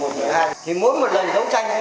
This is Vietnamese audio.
thì mỗi một lần đấu tranh